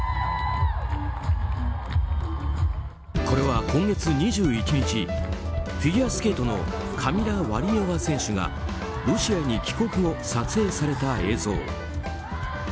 これは今月２１日フィギュアスケートのカミラ・ワリエワ選手がロシアに帰国後、撮影された映像。